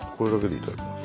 いただきます！